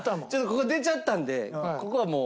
ここ出ちゃったんでここはもう。